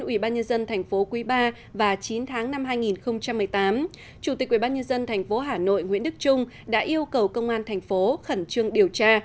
ubnd tp quý ba và chín tháng năm hai nghìn một mươi tám chủ tịch ubnd tp hà nội nguyễn đức trung đã yêu cầu công an thành phố khẩn trương điều tra